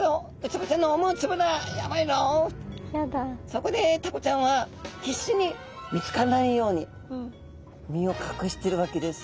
そこでタコちゃんは必死に見つからないように身を隠してるわけです。